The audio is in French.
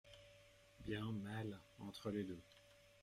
Bien, mal, entre les deux.